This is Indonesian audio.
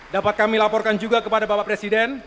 dapat kami laporkan juga kepada bapak presiden